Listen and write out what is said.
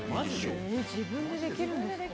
自分でできるんですか？